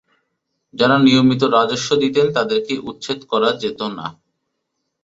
যারা নিয়মিত রাজস্ব দিতেন তাদেরকে উচ্ছেদ করা যেতো না।